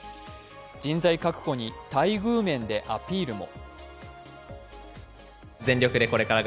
人材確保に待遇面でアピールも。